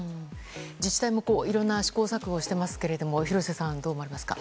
自治体もいろんな試行錯誤をしていますが廣瀬さんどう思われますか？